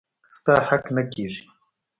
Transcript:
ستا حق نه کيږي.